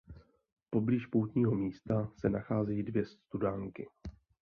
Poblíž poutního místa se nacházejí dvě studánky.